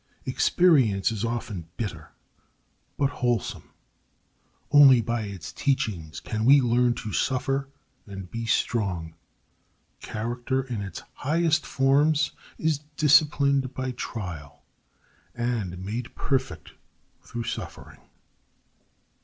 Experience is often bitter, but wholesome. Only by its teachings can we learn to suffer and be strong. Character in its highest forms is disciplined by trial and made perfect through suffering.